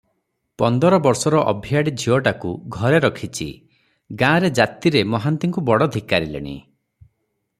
ପନ୍ଦର ବର୍ଷର ଅଭିଆଡ଼ୀ ଝିଅଟାକୁ ଘରେ ରଖିଛି, ଗାଁରେ ଜାତିରେ ମହାନ୍ତିଙ୍କୁ ବଡ଼ ଧିକାରିଲେଣି ।